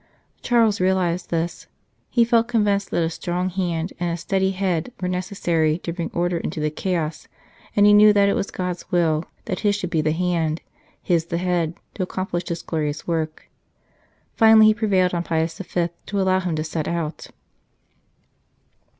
Charles realized this; he felt convinced that a strong hand and a steady head were necessary to bring order into this chaos, and he knew that it was God s will that his should be the hand, his the head, to accomplish this glorious work. Finally he prevailed on Pius V. to allow him to set out.